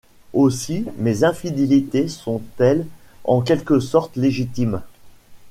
Aussi mes infidélités sont-elles en quelque sorte légitimes.